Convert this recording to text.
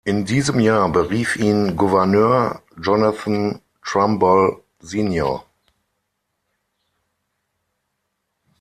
In diesem Jahr berief ihn Gouverneur Jonathan Trumbull sr.